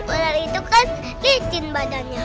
ular itu kan licin badannya